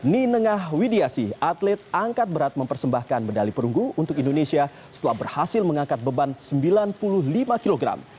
ninengah widiasi atlet angkat berat mempersembahkan medali perunggu untuk indonesia setelah berhasil mengangkat beban sembilan puluh lima kg